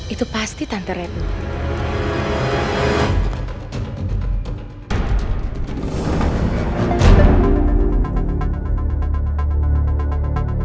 itu pasti tante redmo